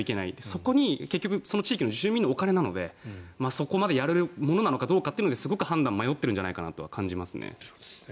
そこに結局その地域の住民のお金なのでそこまでやるのかということにすごく判断を迷っているのではないかとは感じますね。